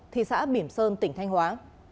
thị xã bỉm sơn tỉnh thanh hóa